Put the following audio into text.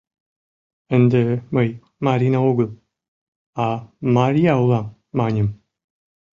— Ынде мый Марина огыл, а Марйа улам, — маньым.